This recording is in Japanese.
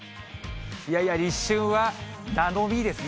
いやいや、立春はですね。